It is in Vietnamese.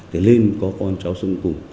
thì nên có con cháu sống cùng